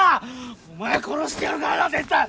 お前殺してやるからな絶対おい！